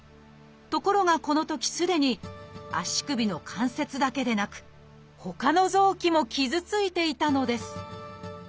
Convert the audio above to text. ところがこのときすでに足首の関節だけでなくほかの臓器も傷ついていたのです